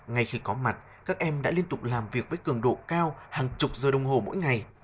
ngay khi có mặt các em đã liên tục làm việc với cường độ cao hàng chục giờ đồng hồ mỗi ngày